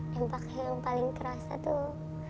yang paling kerasa tuh